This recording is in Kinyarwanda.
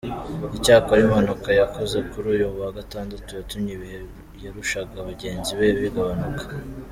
Icyakora impanuka yakoze kuri uyu wa gatandatu yatumye ibihe yarushaga bagenzi be bigabanuka.